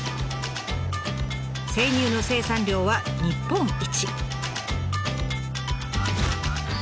生乳の生産量は日本一。